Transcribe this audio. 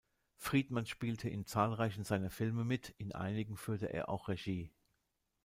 Friedman spielte in zahlreichen seiner Filme mit, in einigen führte er auch Regie.